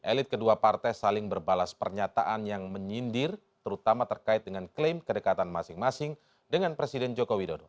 elit kedua partai saling berbalas pernyataan yang menyindir terutama terkait dengan klaim kedekatan masing masing dengan presiden joko widodo